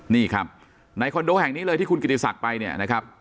นี่ครับในคอนโดแห่งนี้เลยที่คุณกิติศักดิ์ไปเนี่ยนะครับ